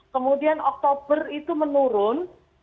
kemudian oktober itu menurun